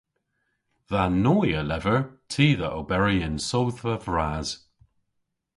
Dha noy a lever ty dhe oberi yn sodhva vras.